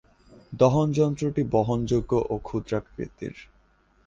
দহন যন্ত্রটি বহনযোগ্য ও ক্ষুদ্রাকৃতির।